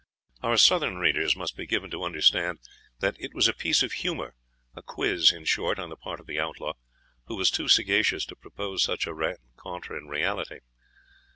* Appendix, No. III. Our Southern readers must be given to understand that it was a piece of humour, a quiz, in short, on the part of the Outlaw, who was too sagacious to propose such a rencontre in reality.